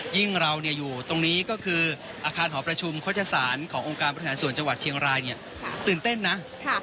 เราอยู่ตรงนี้ก็คืออาคารหอประชุมโฆษศาลขององค์การบริหารส่วนจังหวัดเชียงรายเนี่ยตื่นเต้นนะ